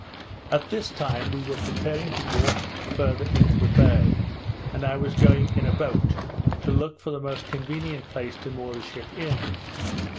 At this time we were preparing to warp farther into the bay, and I was going in a boat, to look for the most convenient place to moor the ship in.